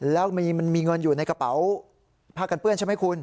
แล้วมันมีเงินอยู่ในกระเป๋าผ้ากันเปื้อนใช่ไหมคุณ